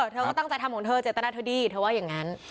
เธอก็ตั้งใจทำของเธอเจตนาเธอดีเธอว่าอย่างนั้น